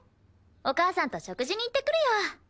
お母さんと食事に行ってくるよ！